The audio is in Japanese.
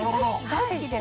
大好きです！